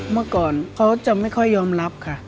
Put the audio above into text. เมื่อก่อนเขาจะไม่ค่อยยอมรับค่ะ